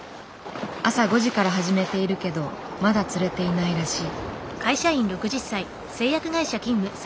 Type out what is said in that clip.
朝５時から始めているけどまだ釣れていないらしい。